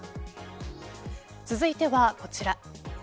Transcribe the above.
続いてはこちら。